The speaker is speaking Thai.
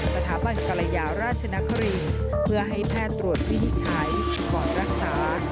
สถาบันกรยาราชนครรีเพื่อให้แพทย์ตรวจวินิจฉัยก่อนรักษา